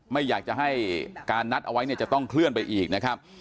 ไม่อยากจะให้การนัดเอาไว้เนี่ยจะต้องเคลื่อนไปอีกนะครับ